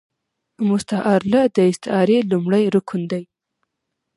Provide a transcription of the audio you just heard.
مستعارله د استعارې لومړی رکن دﺉ.